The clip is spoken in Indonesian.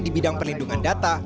di bidang perlindungan data